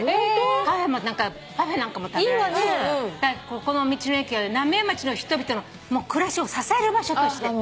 ここの道の駅は浪江町の人々の暮らしを支える場所として。